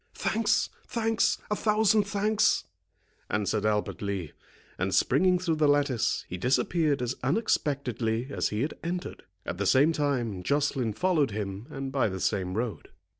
"Thanks, thanks, a thousand thanks," answered Albert Lee; and, springing through the lattice, he disappeared as unexpectedly as he had entered. At the same time Joceline followed him, and by the same road.